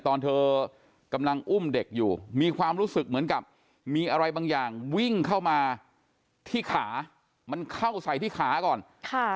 ตอนเธอกำลังอุ้มเด็กอยู่มีความรู้สึกเหมือนกับมีอะไรบางอย่างวิ่งเข้ามาที่ขามันเข้าใส่ที่ขาก่อนค่ะ